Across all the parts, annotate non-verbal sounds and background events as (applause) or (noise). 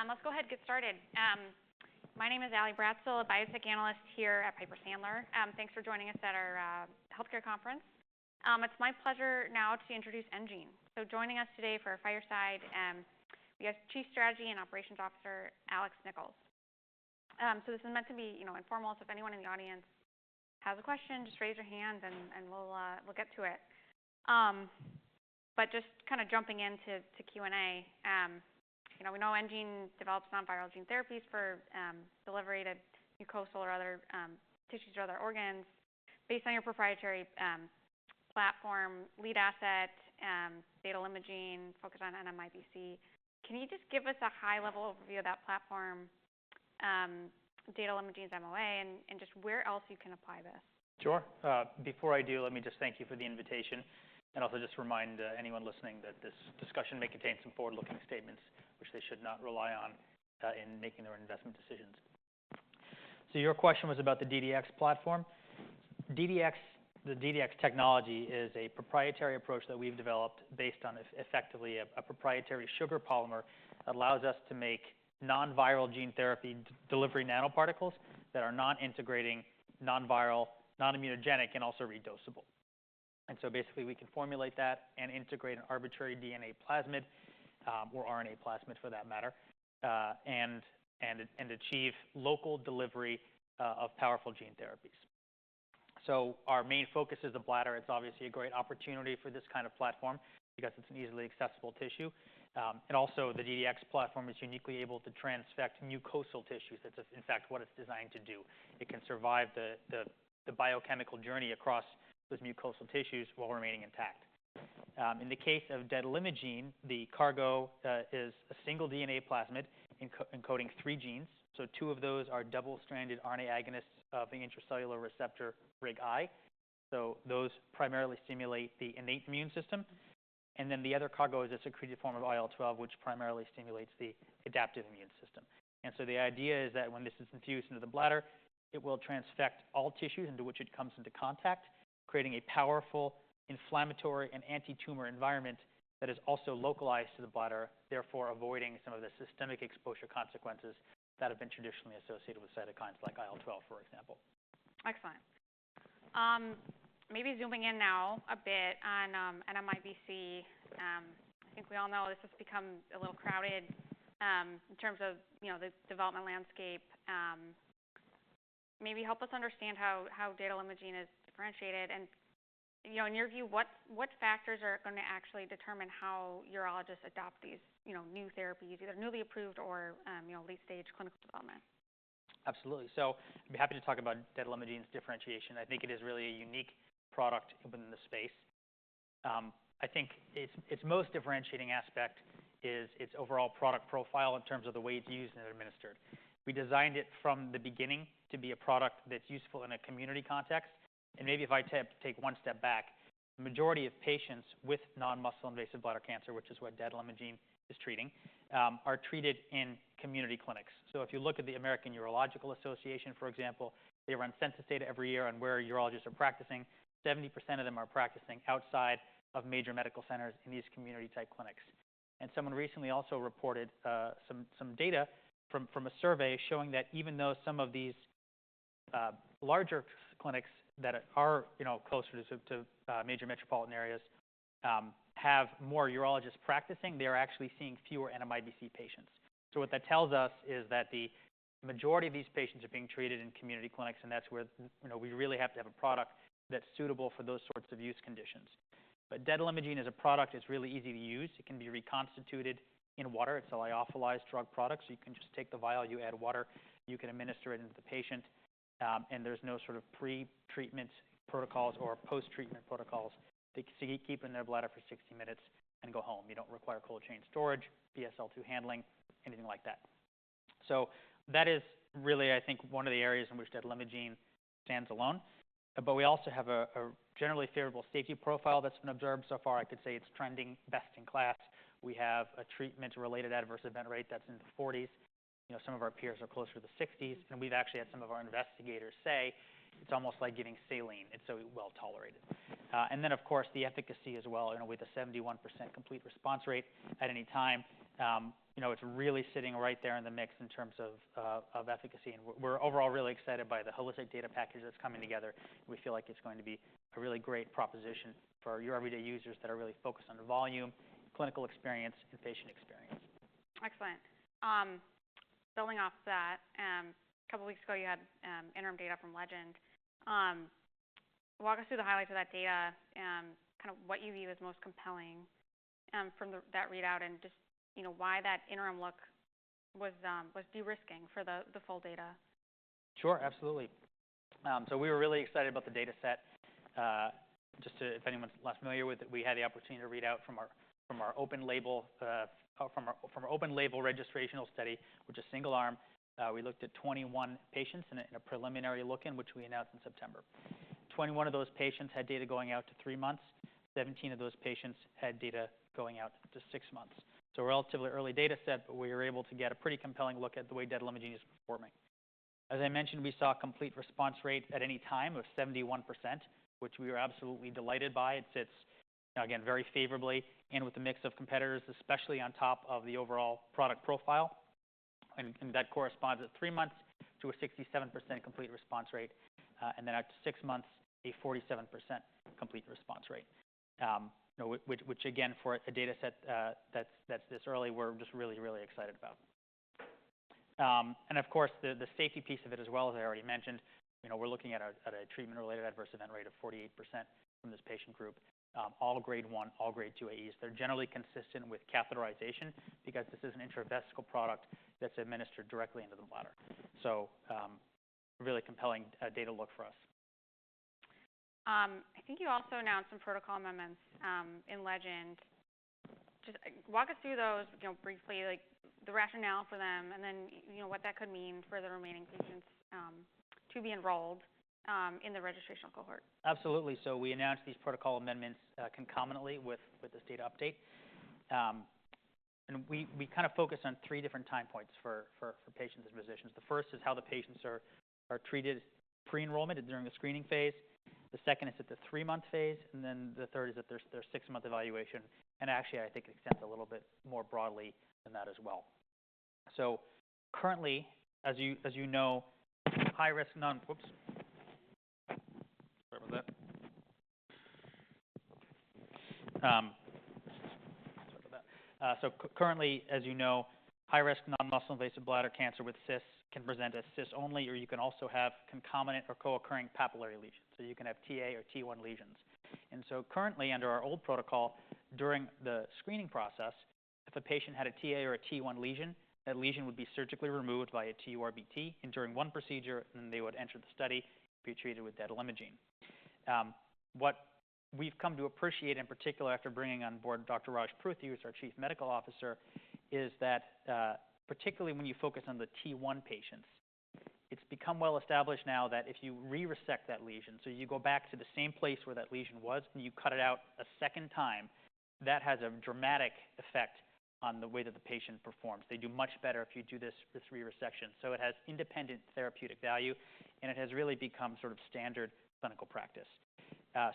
Okay. Let's go ahead and get started. My name is Ally Bratzel, a biotech analyst here at Piper Sandler. Thanks for joining us at our healthcare conference. It's my pleasure now to introduce enGene. Joining us today for our fireside, we have Chief Strategy and Operations Officer Alex Nichols. This is meant to be, you know, informal. If anyone in the audience has a question, just raise your hand and we'll get to it. But just kinda jumping into the Q&A, you know, we know enGene develops non-viral gene therapies for delivery to mucosal or other tissues or other organs. Based on your proprietary platform, lead asset detalimogene, focus on NMIBC, can you just give us a high-level overview of that platform, detalimogene MOA, and just where else you can apply this? Sure. Before I do, let me just thank you for the invitation and also just remind anyone listening that this discussion may contain some forward-looking statements, which they should not rely on in making their investment decisions. So your question was about the DDX platform. DDX, the DDX technology, is a proprietary approach that we've developed based on effectively a proprietary sugar polymer that allows us to make non-viral gene therapy delivery nanoparticles that are non-integrating, non-viral, non-immunogenic, and also redosable. And so basically, we can formulate that and integrate an arbitrary DNA plasmid, or RNA plasmid for that matter, and achieve local delivery of powerful gene therapies. So our main focus is the bladder. It's obviously a great opportunity for this kind of platform because it's an easily accessible tissue, and also the DDX platform is uniquely able to transfect mucosal tissues. That's in fact what it's designed to do. It can survive the biochemical journey across those mucosal tissues while remaining intact. In the case of detalimogene, the cargo is a single DNA plasmid encoding three genes, so two of those are double-stranded RNA agonists of the intracellular receptor RIG-I. So those primarily stimulate the innate immune system, and then the other cargo is a secreted form of IL-12, which primarily stimulates the adaptive immune system. And so the idea is that when this is infused into the bladder, it will transfect all tissues into which it comes into contact, creating a powerful inflammatory and anti-tumor environment that is also localized to the bladder, therefore avoiding some of the systemic exposure consequences that have been traditionally associated with cytokines like IL-12, for example. Excellent. Maybe zooming in now a bit on NMIBC. I think we all know this has become a little crowded, in terms of, you know, the development landscape. Maybe help us understand how detalimogene is differentiated. And, you know, in your view, what factors are gonna actually determine how urologists adopt these, you know, new therapies, either newly approved or, you know, late-stage clinical development? Absolutely. So I'd be happy to talk about detalimogene's differentiation. I think it is really a unique product within the space. I think its most differentiating aspect is its overall product profile in terms of the way it's used and administered. We designed it from the beginning to be a product that's useful in a community context. And maybe if I take one step back, the majority of patients with non-muscle invasive bladder cancer, which is what detalimogene is treating, are treated in community clinics. So if you look at the American Urological Association, for example, they run census data every year on where urologists are practicing. 70% of them are practicing outside of major medical centers in these community-type clinics. Someone recently also reported some data from a survey showing that even though some of these larger clinics that are, you know, closer to major metropolitan areas, have more urologists practicing, they are actually seeing fewer NMIBC patients. What that tells us is that the majority of these patients are being treated in community clinics, and that's where, you know, we really have to have a product that's suitable for those sorts of use conditions. Detalimogene is a product that's really easy to use. It can be reconstituted in water. It's a lyophilized drug product. You can just take the vial, you add water, you can administer it into the patient, and there's no sort of pre-treatment protocols or post-treatment protocols. They can keep it in their bladder for 60 minutes and go home. You don't require cold chain storage, BSL2 handling, anything like that. So that is really, I think, one of the areas in which detalimogene stands alone. But we also have a generally favorable safety profile that's been observed so far. I could say it's trending best in class. We have a treatment-related adverse event rate that's in the 40s. You know, some of our peers are closer to the 60s. And we've actually had some of our investigators say it's almost like giving saline. It's so well tolerated. And then, of course, the efficacy as well. You know, with a 71% complete response rate at any time, you know, it's really sitting right there in the mix in terms of efficacy. And we're overall really excited by the holistic data package that's coming together. We feel like it's going to be a really great proposition for your everyday users that are really focused on volume, clinical experience, and patient experience. Excellent. Building off that, a couple weeks ago, you had interim data from LEGEND. Walk us through the highlights of that data, kinda what you view as most compelling from that readout and just, you know, why that interim look was derisking for the full data. Sure. Absolutely. So we were really excited about the data set. Just to, if anyone's less familiar with it, we had the opportunity to read out from our open-label registrational study, which is single-arm. We looked at 21 patients in a preliminary look-in, which we announced in September. 21 of those patients had data going out to three months. 17 of those patients had data going out to six months. So relatively early data set, but we were able to get a pretty compelling look at the way detalimogene is performing. As I mentioned, we saw a complete response rate at any time of 71%, which we were absolutely delighted by. It sits, you know, again, very favorably in with a mix of competitors, especially on top of the overall product profile. And that corresponds at three months to a 67% complete response rate and then at six months a 47% complete response rate, you know, which again, for a data set, that's this early, we're just really, really excited about. And of course, the safety piece of it as well, as I already mentioned, you know, we're looking at a treatment-related adverse event rate of 48% from this patient group, all grade 1, all grade 2 AEs. They're generally consistent with catheterization because this is an intravesical product that's administered directly into the bladder. So, really compelling data look for us. I think you also announced some protocol amendments in LEGEND. Just walk us through those, you know, briefly, like the rationale for them and then, you know, what that could mean for the remaining patients to be enrolled in the registrational cohort. Absolutely. So we announced these protocol amendments concomitantly with this data update. And we kinda focus on three different time points for patients and physicians. The first is how the patients are treated pre-enrollment and during the screening phase. The second is at the three-month phase. And then the third is at their six-month evaluation. And actually, I think it extends a little bit more broadly than that as well. So currently, as you know, high-risk non-muscle invasive bladder cancer with CIS can present as CIS-only or you can also have concomitant or co-occurring papillary lesions. So you can have Ta or T1 lesions. Currently, under our old protocol, during the screening process, if a patient had a Ta or a T1 lesion, that lesion would be surgically removed via TURBT and during one procedure, and then they would enter the study, be treated with detalimogene. What we've come to appreciate, in particular, after bringing on board Dr. Raj Pruthi, who's our Chief Medical Officer, is that, particularly when you focus on the T1 patients, it's become well established now that if you re-resect that lesion, so you go back to the same place where that lesion was, and you cut it out a second time, that has a dramatic effect on the way that the patient performs. They do much better if you do this re-resection. It has independent therapeutic value, and it has really become sort of standard clinical practice.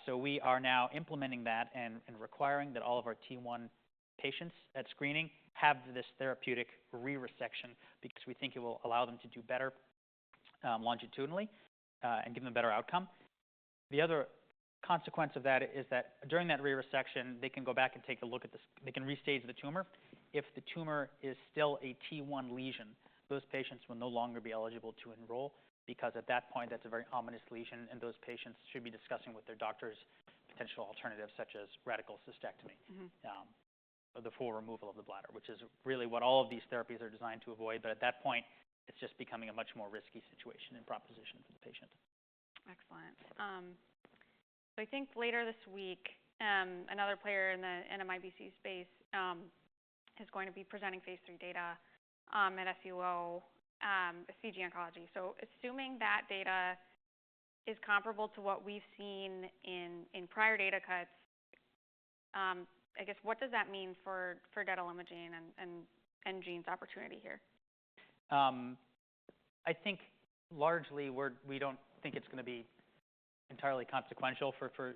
So we are now implementing that and requiring that all of our T1 patients at screening have this therapeutic re-resection because we think it will allow them to do better longitudinally and give them a better outcome. The other consequence of that is that during that re-resection, they can go back and take a look at the stage, they can restage the tumor. If the tumor is still a T1 lesion, those patients will no longer be eligible to enroll because at that point that's a very ominous lesion, and those patients should be discussing with their doctors potential alternatives such as radical cystectomy. Mm-hmm. Or the full removal of the bladder, which is really what all of these therapies are designed to avoid. But at that point, it's just becoming a much more risky situation and proposition for the patient. Excellent. So I think later this week, another player in the NMIBC space is going to be presenting phase III data at SUO, CG Oncology. So assuming that data is comparable to what we've seen in prior data cuts, I guess, what does that mean for detalimogene and enGene's opportunity here? I think largely we don't think it's gonna be entirely consequential for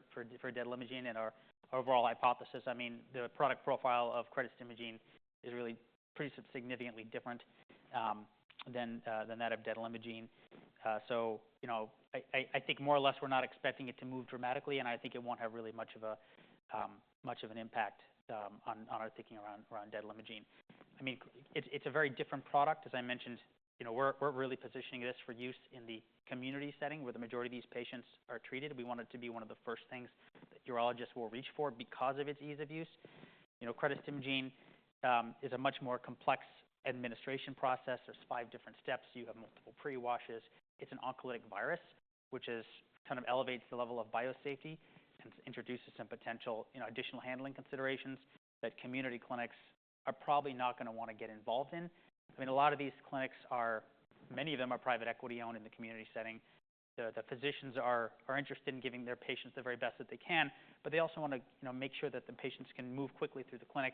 detalimogene and our overall hypothesis. I mean the product profile of cretostimogene is really pretty significantly different than that of detalimogene, so you know, I think more or less we're not expecting it to move dramatically, and I think it won't have really much of an impact on our thinking around detalimogene. I mean it's a very different product. As I mentioned, you know, we're really positioning this for use in the community setting where the majority of these patients are treated. We want it to be one of the first things that urologists will reach for because of its ease of use. You know, cretostimogene is a much more complex administration process. There's five different steps. You have multiple pre-washes. It's an oncolytic virus, which is kind of elevates the level of biosafety and introduces some potential, you know, additional handling considerations that community clinics are probably not gonna wanna get involved in. I mean, a lot of these clinics, many of them are private equity-owned in the community setting. The physicians are interested in giving their patients the very best that they can, but they also wanna, you know, make sure that the patients can move quickly through the clinic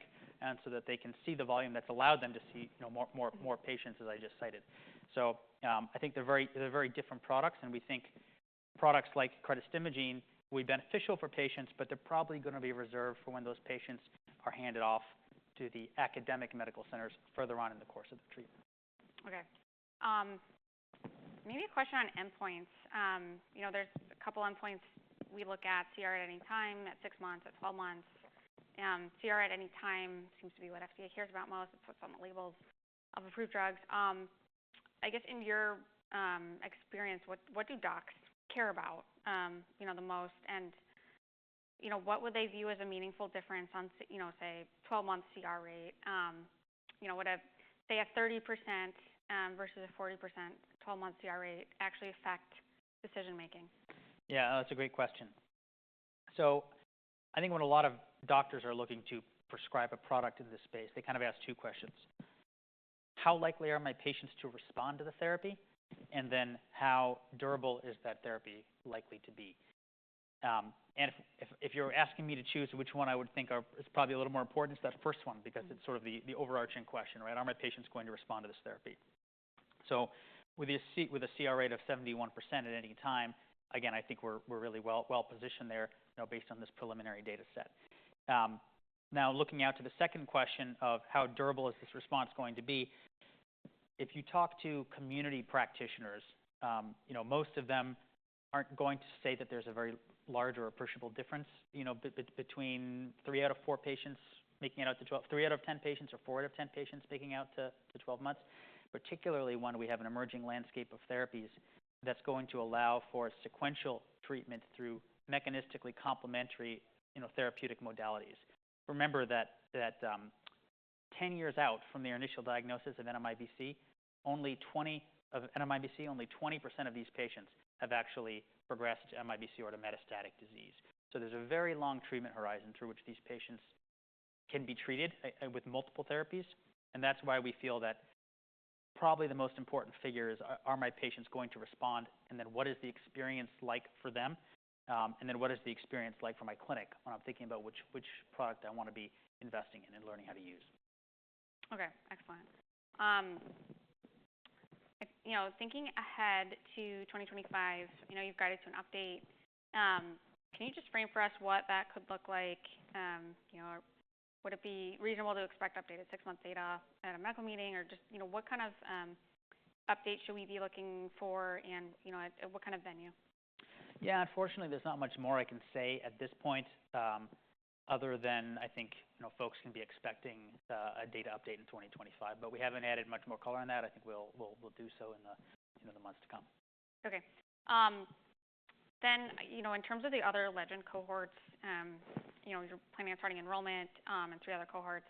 so that they can see the volume. That's allowed them to see, you know, more patients, as I just cited. So, I think they're very different products. We think products like cretostimogene will be beneficial for patients, but they're probably gonna be reserved for when those patients are handed off to the academic medical centers further on in the course of the treatment. Okay. Maybe a question on endpoints. You know, there's a couple endpoints we look at: CR at any time, at six months, at 12 months. CR at any time seems to be what FDA cares about most. It puts on the labels of approved drugs. I guess, in your experience, what do docs care about, you know, the most? And, you know, what would they view as a meaningful difference on, you know, say, 12-month CR rate? You know, would a, say, 30% versus a 40% 12-month CR rate actually affect decision-making? Yeah. That's a great question. So I think when a lot of doctors are looking to prescribe a product in this space, they kind of ask two questions. How likely are my patients to respond to the therapy? And then how durable is that therapy likely to be? And if you're asking me to choose which one I would think is probably a little more important, it's that first one because it's sort of the overarching question, right? Are my patients going to respond to this therapy? So with a CR rate of 71% at any time, again, I think we're really well positioned there, you know, based on this preliminary data set. Now looking out to the second question of how durable is this response going to be. If you talk to community practitioners, you know, most of them aren't going to say that there's a very large or appreciable difference, you know, between three out of four patients making it out to 12, three out of 10 patients or four out of 10 patients making it out to 12 months, particularly when we have an emerging landscape of therapies that's going to allow for sequential treatment through mechanistically complementary, you know, therapeutic modalities. Remember that 10 years out from their initial diagnosis of NMIBC, only 20% of these patients have actually progressed to NMIBC or to metastatic disease. So there's a very long treatment horizon through which these patients can be treated with multiple therapies. And that's why we feel that probably the most important figure is are my patients going to respond. And then what is the experience like for them? And then what is the experience like for my clinic when I'm thinking about which product I wanna be investing in and learning how to use? Okay. Excellent. You know, thinking ahead to 2025, I know you've guided to an update. Can you just frame for us what that could look like? You know, would it be reasonable to expect updated six-month data at a medical meeting? Or just, you know, what kind of update should we be looking for and, you know, and what kind of venue? Yeah. Unfortunately, there's not much more I can say at this point other than I think, you know, folks can be expecting a data update in 2025, but we haven't added much more color on that. I think we'll do so in the, you know, the months to come. Okay. Then, you know, in terms of the other LEGEND cohorts, you know, you're planning on starting enrollment in three other cohorts.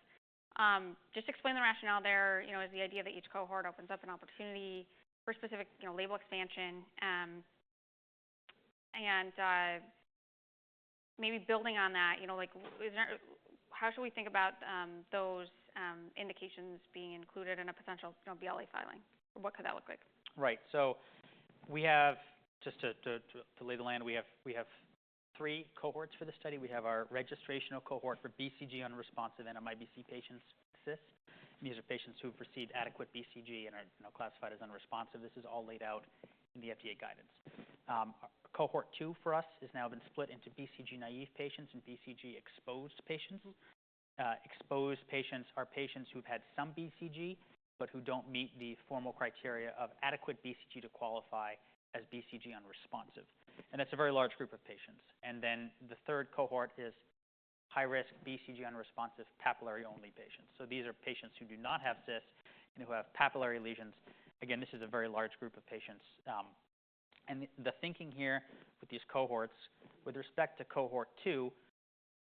Just explain the rationale there, you know. Is the idea that each cohort opens up an opportunity for specific, you know, label expansion? And maybe building on that, you know, like, is there, how should we think about those indications being included in a potential, you know, BLA filing? What could that look like? Right. So we have just to lay the land. We have three cohorts for this study. We have our registrational cohort for BCG-unresponsive NMIBC patients with CIS. These are patients who've received adequate BCG and are, you know, classified as unresponsive. This is all laid out in the FDA guidance. Cohort two for us has now been split into BCG-naive patients and BCG-exposed patients. Exposed patients are patients who've had some BCG but who don't meet the formal criteria of adequate BCG to qualify as BCG unresponsive. And that's a very large group of patients. And then the third cohort is high-risk BCG-unresponsive papillary-only patients. So these are patients who do not have CIS and who have papillary lesions. Again, this is a very large group of patients. And the thinking here with these cohorts, with respect to cohort two,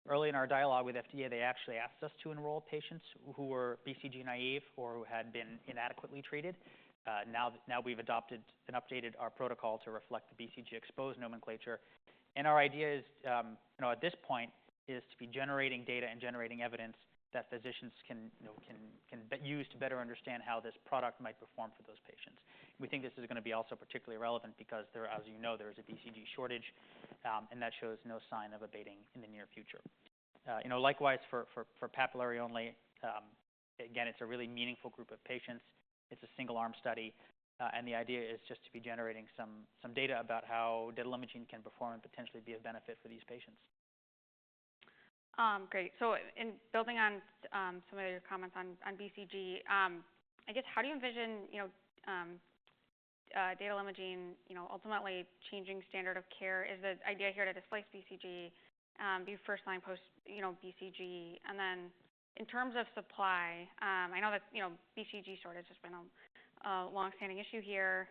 early in our dialogue with FDA, they actually asked us to enroll patients who were BCG naive or who had been inadequately treated. Now, we've adapted and updated our protocol to reflect the BCG exposed nomenclature. And our idea is, you know, at this point, is to be generating data and generating evidence that physicians can, you know, use to better understand how this product might perform for those patients. We think this is gonna be also particularly relevant because, as you know, there is a BCG shortage, and that shows no sign of abating in the near future. You know, likewise for papillary-only, again, it's a really meaningful group of patients. It's a single-arm study. And the idea is just to be generating some data about how detalimogene can perform and potentially be of benefit for these patients. Great. So in building on some of your comments on BCG, I guess, how do you envision, you know, detalimogene, you know, ultimately changing standard of care? Is the idea here to displace BCG, be first-line post, you know, BCG? And then in terms of supply, I know that, you know, BCG shortage has just been a long-standing issue here.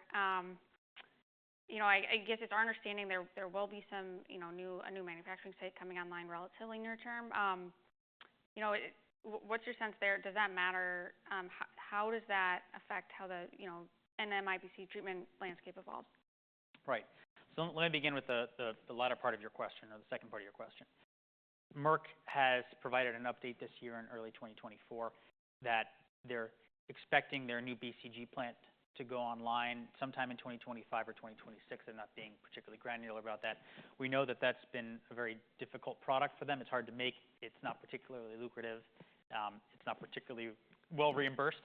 You know, I guess it's our understanding there will be some, you know, new, a new manufacturing site coming online relatively near term. You know, what's your sense there? Does that matter? How does that affect how the, you know, NMIBC treatment landscape evolves? Right. So let me begin with the latter part of your question or the second part of your question. Merck has provided an update this year, in early 2024, that they're expecting their new BCG plant to go online sometime in 2025 or 2026. They're not being particularly granular about that. We know that that's been a very difficult product for them. It's hard to make. It's not particularly lucrative. It's not particularly well reimbursed.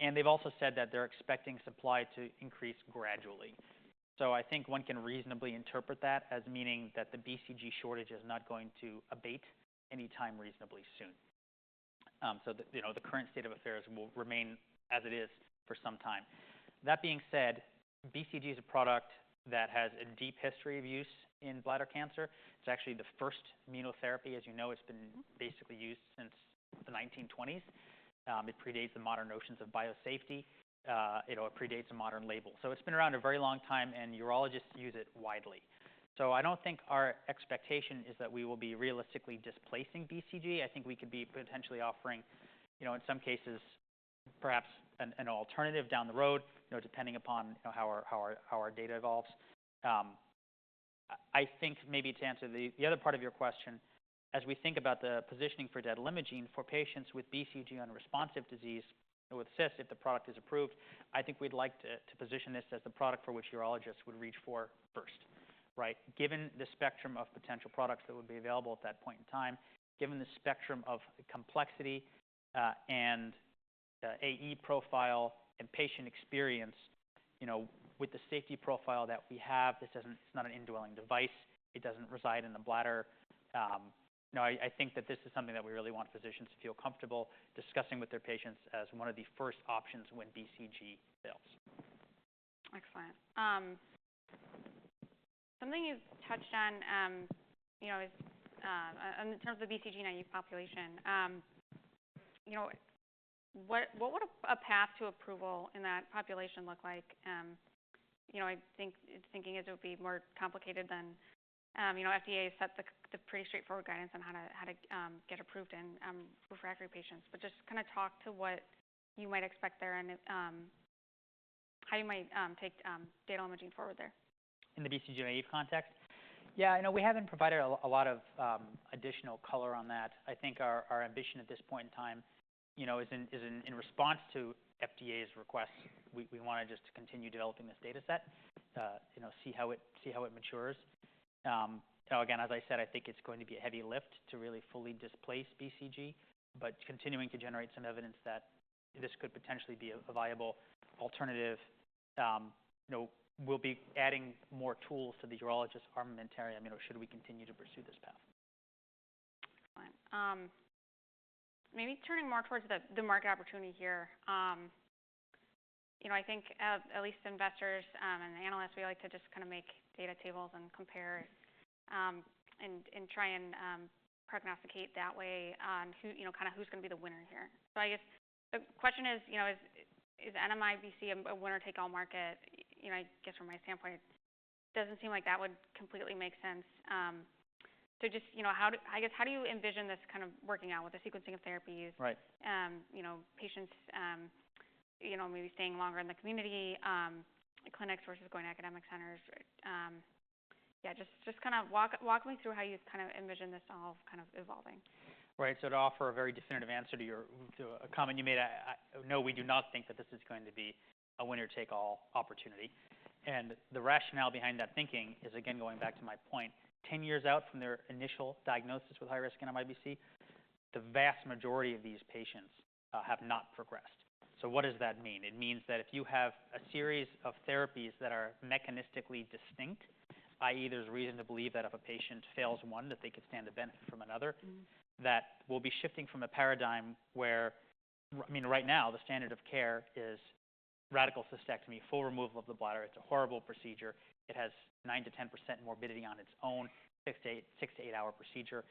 And they've also said that they're expecting supply to increase gradually, so I think one can reasonably interpret that as meaning that the BCG shortage is not going to abate anytime reasonably soon, so the, you know, the current state of affairs will remain as it is for some time. That being said, BCG is a product that has a deep history of use in bladder cancer. It's actually the first immunotherapy. As you know, it's been basically used since the 1920s. It predates the modern notions of biosafety. It predates a modern label. So it's been around a very long time, and urologists use it widely, so I don't think our expectation is that we will be realistically displacing BCG. I think we could be potentially offering, you know, in some cases perhaps an alternative down the road, you know, depending upon, you know, how our data evolves. I think maybe, to answer the other part of your question, as we think about the positioning for detalimogene for patients with BCG-unresponsive disease with CIS, if the product is approved, I think we'd like to position this as the product for which urologists would reach for first, right? Given the spectrum of potential products that would be available at that point in time, given the spectrum of complexity and AE profile and patient experience, you know, with the safety profile that we have, this doesn't. It's not an indwelling device. It doesn't reside in the bladder. You know, I think that this is something that we really want physicians to feel comfortable discussing with their patients as one of the first options when BCG fails. Excellent. Something you've touched on, you know, is, in terms of the BCG-naive population, you know, what would a path to approval in that population look like? You know, I think thinking is it would be more complicated than, you know, FDA set the pretty straightforward guidance on how to get approved in refractory patients, but just kind of talk to what you might expect there and how you might take detalimogene forward there. In the BCG naive context? Yeah. You know, we haven't provided a lot of additional color on that. I think our ambition at this point in time, you know, is in response to FDA's request, we wanna just continue developing this data set, you know, see how it matures. You know, again, as I said, I think it's going to be a heavy lift to really fully displace BCG, but continuing to generate some evidence that this could potentially be a viable alternative, you know, will be adding more tools to the urologist's armamentarium, you know, should we continue to pursue this path. Excellent. Maybe turning more towards the market opportunity here. You know, I think, at least investors and analysts, we like to just kind of make data tables and compare and try and prognosticate that way on who, you know, kind of who's gonna be the winner here. So I guess the question is, you know, is NMIBC a winner-take-all market? You know, I guess, from my standpoint, it doesn't seem like that would completely make sense. Just, you know, how do, I guess, how do you envision this kind of working out with the sequencing of therapies? Right. You know, patients, you know, maybe staying longer in the community clinics versus going to academic centers. Yeah, just kind of walk me through how you kind of envision this all kind of evolving. Right. So to offer a very definitive answer to a comment you made, no, we do not think that this is going to be a winner-take-all opportunity. And the rationale behind that thinking is, again, going back to my point, 10 years out from their initial diagnosis with high-risk NMIBC, the vast majority of these patients have not progressed. So what does that mean? It means that if you have a series of therapies that are mechanistically distinct, i.e., there's reason to believe that if a patient fails one, that they could stand to benefit from another, that we'll be shifting from a paradigm where, I mean, right now, the standard of care is radical cystectomy, full removal of the bladder. It's a horrible procedure. It has 9%-10% morbidity on its own, six-eight-hour procedure.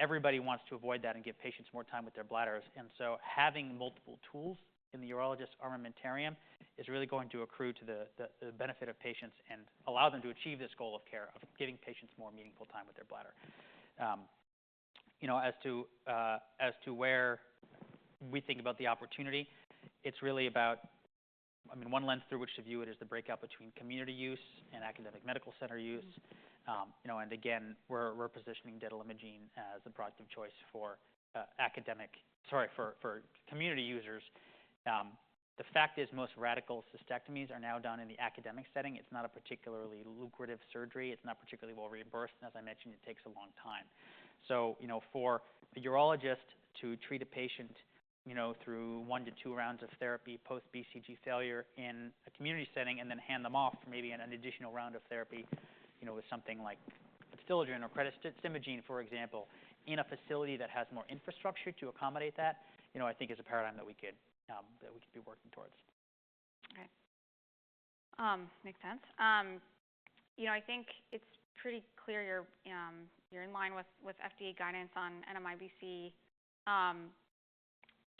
Everybody wants to avoid that and give patients more time with their bladders. And so having multiple tools in the urologist's armamentarium is really going to accrue to the benefit of patients and allow them to achieve this goal of care of giving patients more meaningful time with their bladder. You know, as to where we think about the opportunity, it's really about, I mean, one lens through which to view it is the breakout between community use and academic medical center use, you know. And again, we're positioning detalimogene as a product of choice for academic, sorry, for community users. The fact is most radical cystectomies are now done in the academic setting. It's not a particularly lucrative surgery. It's not particularly well reimbursed. And as I mentioned, it takes a long time, so, you know, for the urologist to treat a patient, you know, through one-two rounds of therapy post BCG failure in a community setting and then hand them off for maybe an additional round of therapy, you know, with something like Adstiladrin or cretostimogene, for example, in a facility that has more infrastructure to accommodate that, you know, I think is a paradigm that we could be working towards. Okay. Makes sense. You know, I think it's pretty clear you're in line with FDA guidance on NMIBC,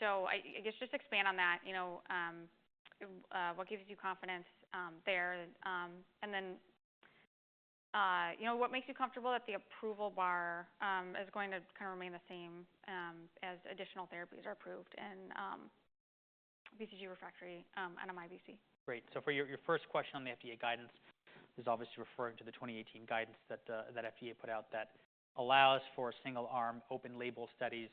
so I guess, just expand on that, you know, what gives you confidence there? And then, you know, what makes you comfortable that the approval bar is going to kind of remain the same as additional therapies are approved in BCG refractory NMIBC? Right. So for your first question on the FDA guidance is obviously referring to the 2018 guidance that FDA put out that allows for single-arm open-label studies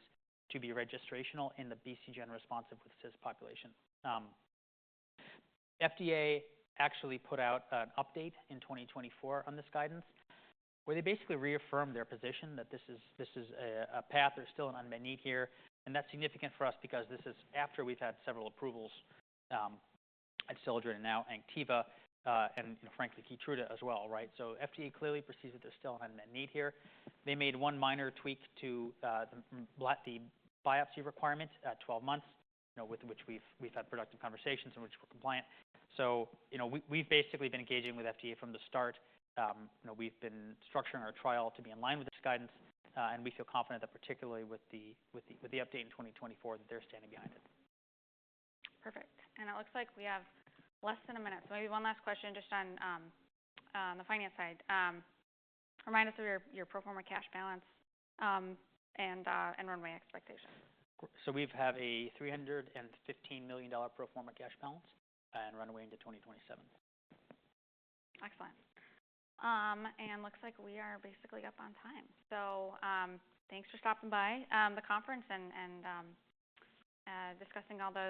to be registrational in the BCG-unresponsive with CIS population. FDA actually put out an update in 2024 on this guidance where they basically reaffirmed their position that this is a path. There's still an unmet need here. And that's significant for us because this is after we've had several approvals, Adstiladrin and now Anktiva, and, you know, frankly, Keytruda as well, right? So FDA clearly perceives that there's still an unmet need here. They made one minor tweak to the biopsy requirement at 12 months, you know, with which we've had productive conversations and which we're compliant. So, you know, we've basically been engaging with FDA from the start. You know, we've been structuring our trial to be in line with this guidance, and we feel confident that, particularly with the update in 2024, that they're standing behind it. Perfect. And it looks like we have less than a minute, so maybe one last question just on the finance side. Remind us of your pro forma cash balance and runway expectations. We have a $315 million pro forma cash balance and runway into 2027. Excellent. And looks like we are basically up on time. So, thanks for stopping by the conference and discussing all the. (audio distortion)